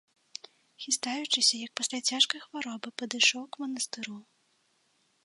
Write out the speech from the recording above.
Хістаючыся, як пасля цяжкай хваробы, падышоў к манастыру.